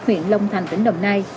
huyện long thành tỉnh đồng nai